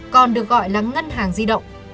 còn được gọi là ngân hàng di động